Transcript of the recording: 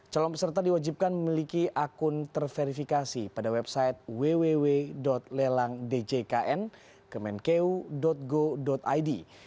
calon peserta diwajibkan memiliki akun terverifikasi pada website www lelangdjkn go id